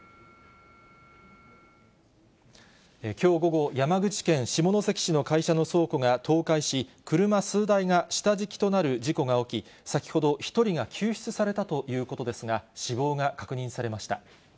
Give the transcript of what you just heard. きょう午後、山口県下関市の会社の倉庫が倒壊し、車数台が下敷きとなる事故が起き、先ほど、１人が救出されたということですが、死亡が確認されました。